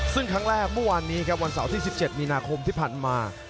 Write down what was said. ซึ่งครั้งแรกวันนี้วันเสาร์ที่๑๗มีนาคมที่ผ่านมา